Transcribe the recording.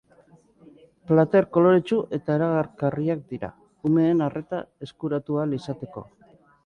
Plater koloretsu eta erakargarriak dira, umeen arreta eskuratu ahal izateko.